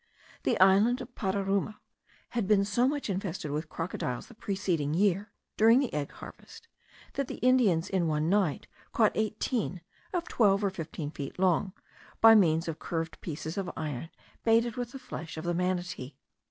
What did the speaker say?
The island of Pararuma had been so much infested with crocodiles the preceding year, during the egg harvest, that the Indians in one night caught eighteen, of twelve or fifteen feet long, by means of curved pieces of iron, baited with the flesh of the manatee.